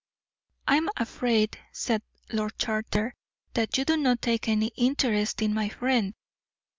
"I am afraid," said Lord Charter, "that you do not take any interest in my friend."